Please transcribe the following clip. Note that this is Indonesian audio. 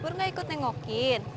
kamu gak ikut nengokin